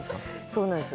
そうなんです。